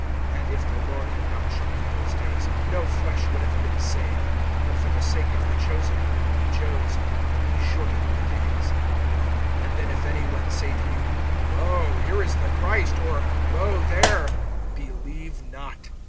(20)And if the Lord had not shortened those days, no flesh would have been saved; but for the sake of the chosen, whom he chose, he shortened the days. (21)And then if any one say to you: Lo, here is the Christ, or Lo, there, believe not.